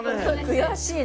悔しい！